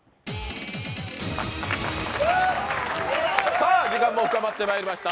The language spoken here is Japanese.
さあ時間も深まってまいりました。